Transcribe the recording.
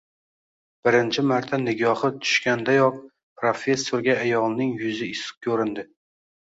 Birinchi marta nigohi tushgandayoq professorga ayolning yuzi issiq ko`rindi